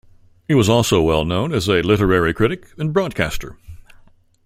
He was also well known as a literary critic and broadcaster.